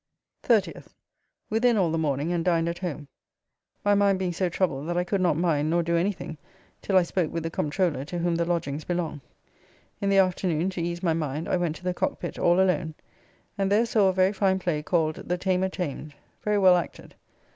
30th. Within all the morning and dined at home, my mind being so troubled that I could not mind nor do anything till I spoke with the Comptroller to whom the lodgings belong. In the afternoon, to ease my mind, I went to the Cockpit all alone, and there saw a very fine play called "The Tamer Tamed;" very well acted.